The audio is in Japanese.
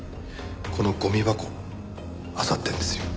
このゴミ箱をあさってるんですよ。